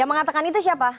mengatakan itu siapa